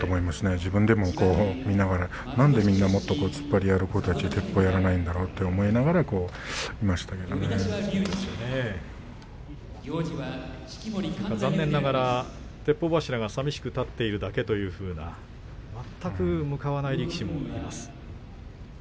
自分でも見ながら何でみんな突っ張りやる子たちはてっぽうをやらないんだろうと思いながら残念ながらてっぽう柱がさみしく立っているだけというふうな全く向かわない力士もいます。